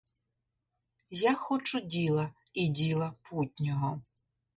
Я хочу діла і діла путнього.